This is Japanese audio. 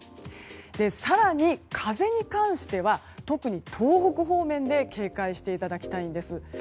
更に、風に関しては特に東北方面で警戒していただきたいんです。